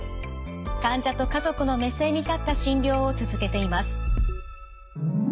患者と家族の目線に立った診療を続けています。